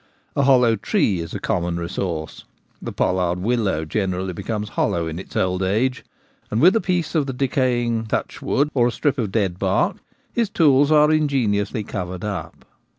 A hollow tree is a common resource — the pollard willow generally becomes hol low in its old age — and with a piece of the decaying ' touchwood ' or a strip of dead bark his tools are 1 68 The Gamekeeper at Home. ingeniously covered up.